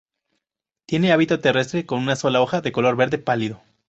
Tiene hábito terrestre con una sola hoja, de color verde pálido.